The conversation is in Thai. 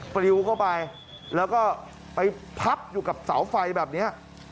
ปลิวเข้าไปแล้วก็ไปพับอยู่กับเสาไฟแบบนี้